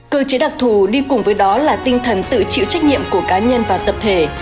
cơ chế đặc thù đi cùng với đó là tinh thần tự chịu trách nhiệm của cá nhân và tập thể